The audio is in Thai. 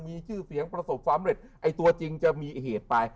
มีชื่อเสียงประสบความเร็จไอ้ตัวจริงจะมีเหตุไป